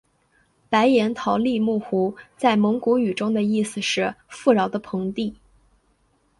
白彦陶力木湖在蒙古语中的意思是富饶的盆地。